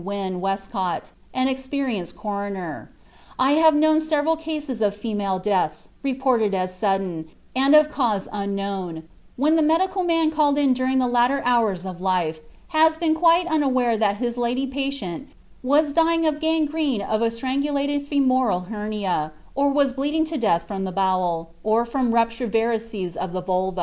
Wynn Westcott, an experienced coroner. "I have known several cases of female deaths, reported as sudden, and of cause unknown, when the medical man called in during the latter hours of life has been quite unaware that his lady patient was dying of gangrene of a strangulated femoral hernia, or was bleeding to death from the bowel, or from ruptured varices of the vulva."